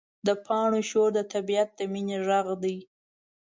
د پاڼو شور د طبیعت د مینې غږ دی.